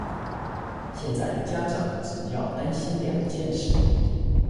現在家長只要擔心兩件事